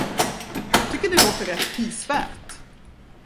Jag tycker det låter rätt prisvärt.